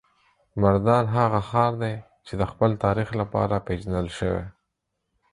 مردان هغه ښار دی چې د خپل تاریخ لپاره پیژندل شوی.